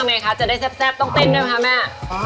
ทำน้ำจิ้มที่ได้แซ่บต้องเต้นด้วยปะแม่